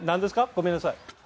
ごめんなさい。